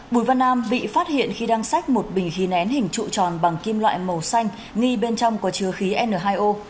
bùi văn nam bị phát hiện khi đang xách một bình khí nén hình trụ tròn bằng kim loại màu xanh nghi bên trong có chứa khí n hai o